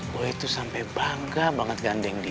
gue itu sampai bangga banget gandeng dia